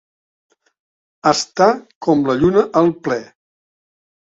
Estar com la lluna al ple.